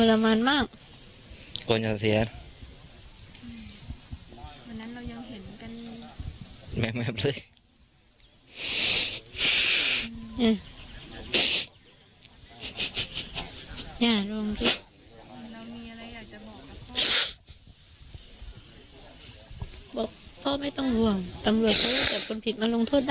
คิดไหมว่ามันจะเกิดเหตุการณ์กับพ่อนะ